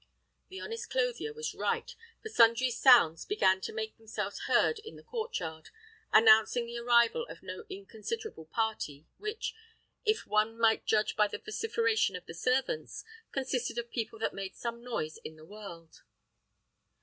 The honest clothier was right, for sundry sounds began to make themselves heard in the court yard, announcing the arrival of no inconsiderable party, which, if one might judge by the vociferation of the servants, consisted of people that made some noise in the world.